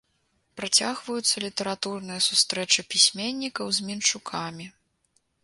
Працягваюцца літаратурныя сустрэчы пісьменнікаў з мінчукамі.